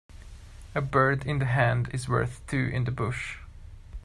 A bird in the hand is worth two in the bush.